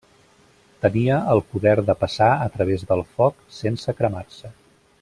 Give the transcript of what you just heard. Tenia el poder de passar a través del foc sense cremar-se.